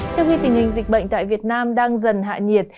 trong khi tình hình dịch bệnh tại việt nam đang dần hạ nhiệt